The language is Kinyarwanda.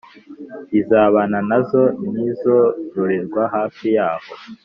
izibana nazo n izororerwa hafi yaho